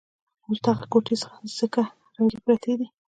اوس دغه کوټې ځکه ړنګې پرتې دي.